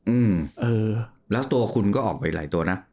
อืมเออแล้วตัวคุณก็ออกไปหลายตัวนะ